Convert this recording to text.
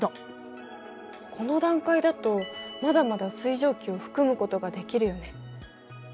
この段階だとまだまだ水蒸気を含むことができるよね。